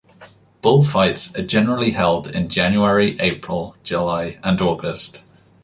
Bullfights are generally held in January, April, July, and August.